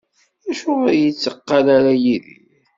Acuɣer ur yetteqqal ara Yidir?